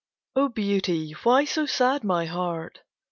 II O Beauty, why so sad my heart?